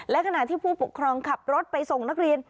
และขณะที่ผู้ปกครองขับรถไปส่งนักเรียน